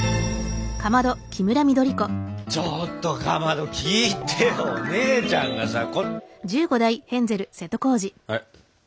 ちょっとかまど聞いてよ姉ちゃんがさ。